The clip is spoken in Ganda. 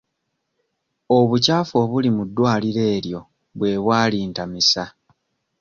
Obukyafu obuli mu ddwaliro eryo bwe bwa lintamisa.